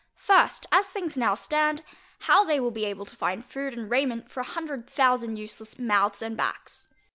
First, As things now stand, how they will be able to find food and raiment for a hundred thousand useless mouths and backs.